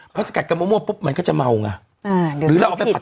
เพราะสกัดกับมั่วมั่วปุ๊บมันก็จะเมาน่ะอ่าหรือเราเอาไปผัด